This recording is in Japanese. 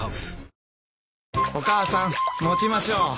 お母さん持ちましょう。